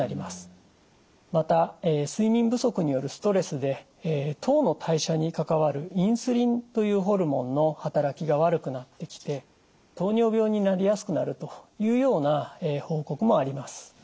また睡眠不足によるストレスで糖の代謝に関わるインスリンというホルモンの働きが悪くなってきて糖尿病になりやすくなるというような報告もあります。